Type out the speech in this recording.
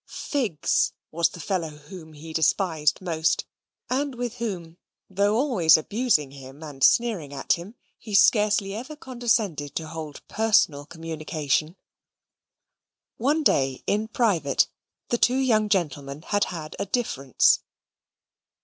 "Figs" was the fellow whom he despised most, and with whom, though always abusing him, and sneering at him, he scarcely ever condescended to hold personal communication. One day in private, the two young gentlemen had had a difference.